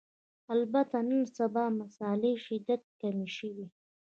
البته نن سبا مسألې شدت کم شوی